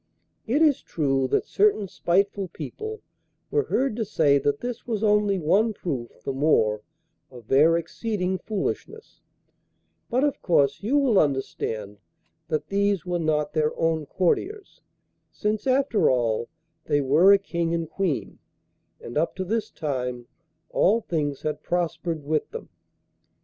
It is true that certain spiteful people were heard to say that this was only one proof the more of their exceeding foolishness, but of course you will understand that these were not their own courtiers, since, after all, they were a King and Queen, and up to this time all things had prospered with them.